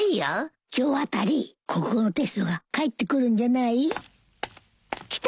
今日あたり国語のテストが返ってくるんじゃない？来た！